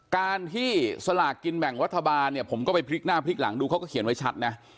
การที่สลากกินแบ่งรัฐบาลเนี่ยผมก็ไปพลิกหน้าพลิกหลังดูเขาก็เขียนไว้ชัดนะ